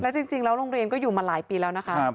จริงแล้วโรงเรียนก็อยู่มาหลายปีแล้วนะคะ